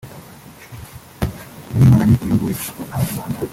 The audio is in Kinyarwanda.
uw’Imana ni uyu nguyu